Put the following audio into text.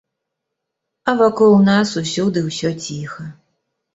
А вакол нас усюды ўсё ціха.